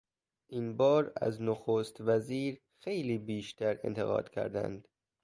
این بار از نخست وزیر خیلی بیشتر انتقاد کردند.